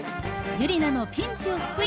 ユリナのピンチを救い。